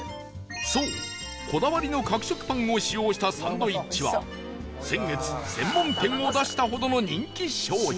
そう、こだわりの角食パンを使用したサンドイッチは先月、専門店を出したほどの人気商品